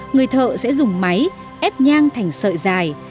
người thợ sẽ dùng máy ép nhang thành sợi dài